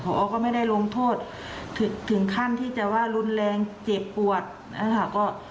พอก็ไม่ได้ลงโทษถึงขั้นที่จะว่ารุนแรงเจ็บปวดนะคะ